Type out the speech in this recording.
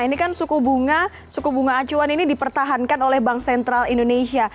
ini kan suku bunga acuan ini dipertahankan oleh bank sentral indonesia